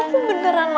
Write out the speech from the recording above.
aku beneran ma